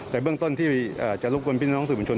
แต่เบื้องต้นที่จะรุกกลุ่นพินักลงสืบผลชน